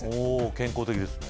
健康的ですね